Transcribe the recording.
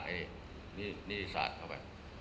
นี่ดิสาทเข้าไป